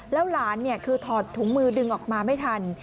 แล้วหลานคือถอดถุงมือดึงออกมาไม่ทัน